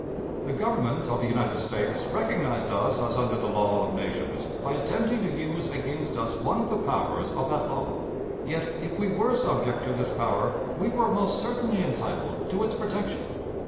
The Government of the United States recognized us as under the law of nations by attempting to use against us one of the powers of that law. Yet, if we were subject to this power, we were most certainly entitled to its protection.